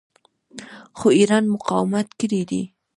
خو ایران مقاومت کړی دی.